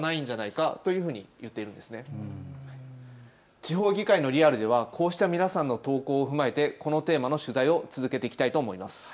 地方議会のリアルではこうした皆さんの投稿を踏まえてこのテーマの取材を続けていきたいと思います。